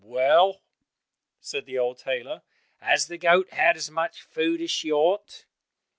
"Well," said the old tailor, "has the goat had as much food as she ought?"